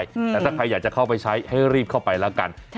แต่ถ้าใครอยากจะเข้าไปใช้ให้รีบเข้าไปแล้วกัน